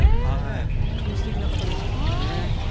本当に素敵な方ですよね。